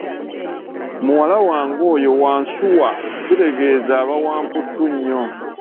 Muwala wange oyo wansuwa kitegeza aba wa mputtu nnyo.